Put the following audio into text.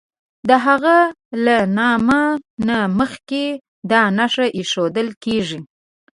د هغه له نامه نه مخکې دا نښه ایښودل کیږي.